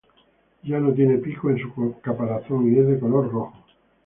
Ya no tiene picos en su caparazón y es de color rojo.